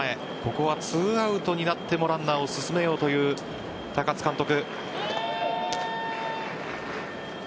ここは２アウトになってもランナーを進めようという高津監督。